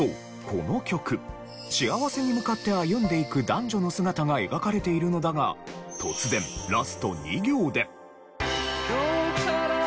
この曲幸せに向かって歩んでいく男女の姿が描かれているのだが突然ラスト２行で。